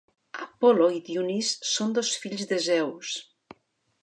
Apol·lo i Dionís són dos fills de Zeus.